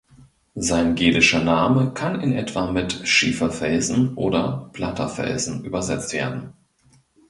Sein gälischer Name kann in etwa mit "Schiefer Felsen" oder "Platter Felsen" übersetzt werden.